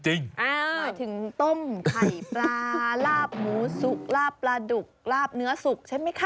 หมายถึงต้มไข่ปลาลาบหมูสุกลาบปลาดุกลาบเนื้อสุกใช่ไหมคะ